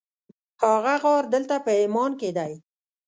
هغه غار دلته په عمان کې دی.